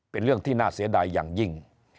เป็นเรื่องที่น่าเสียดายอย่างยิ่ง